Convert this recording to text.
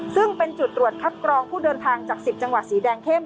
ซึ่งเป็นจุดตรวจคัดกรองผู้เดินทางจาก๑๐จังหวัดสีแดงเข้ม